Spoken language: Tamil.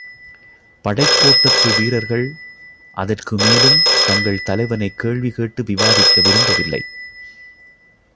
படைக்கோட்டத்து வீரர்கள் அதற்கு மேலும் தங்கள் தலைவனைக் கேள்வி கேட்டு விவாதிக்க விரும்பவில்லை.